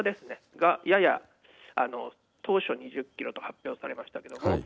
がやや、当初２０キロと発表されましたけれども。